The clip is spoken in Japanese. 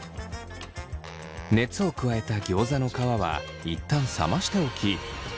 熱を加えたギョーザの皮は一旦冷ましておき